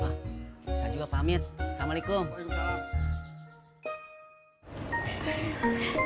wah bisa juga pamit waalaikumsalam waalaikumsalam